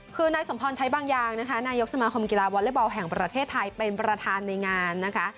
คือนายสมพรใช้บางอย่างนะคะนายกสมาคมกีฬาวอเล็กบอลแห่งประเทศไทยเป็นประธานในงานนะคะ